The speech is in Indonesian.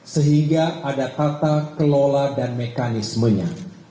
sehingga ada tata kelola dan mekanismenya